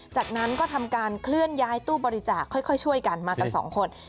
จากนั้นก็ทำการเคลื่อนย้ายตู้บริจาคค่อยช่วยกันมากันสองคน